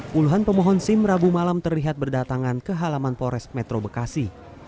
puluhan pemohon sim rabu malam terlihat berdatangan ke halaman polres metro bekasi